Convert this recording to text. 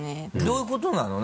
どういうことなの？